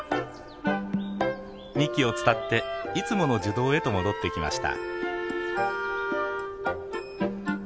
幹を伝っていつもの樹洞へと戻ってきました。